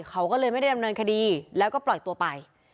เขาก็เลยไม่ได้ดำเนินคดีแล้วก็ปล่อยตัวไป